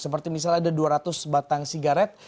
seperti misalnya ada dua ratus batang sigaret